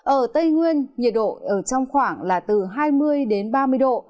ở tây nguyên nhiệt độ ở trong khoảng là từ hai mươi đến ba mươi độ